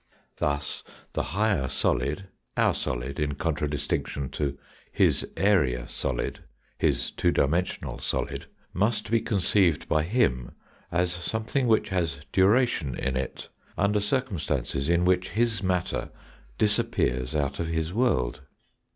Thus, the higher solid our NOMENCLATURE AND ANALOGIES 149 solid in contradistinction to his area solid, his two dimensional solid, must be conceived by him as something which has duration in it, under circumstances in which his matter disappears out of his world.